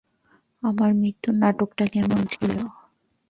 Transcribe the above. আমার মৃত্যুর নাটকটা কেমন ছিলো?